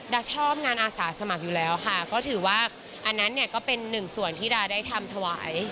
ชอบงานอาสาสมัครอยู่แล้วค่ะก็ถือว่าอันนั้นเนี่ยก็เป็นหนึ่งส่วนที่ดาได้ทำถวาย